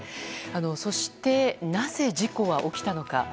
そして、なぜ事故は起きたのか。